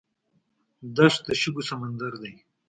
دښته د شګو سمندر دی.